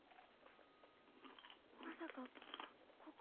まさかここ？